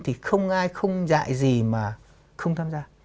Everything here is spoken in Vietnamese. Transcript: thì không ai không dạy gì mà không tham gia